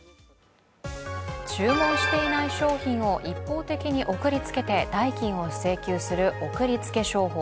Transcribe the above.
注文していない商品を一方的に送りつけて代金を請求する送りつけ商法。